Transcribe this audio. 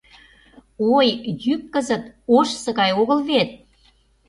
Ой, йӱк кызыт ожсо гай огыл вет.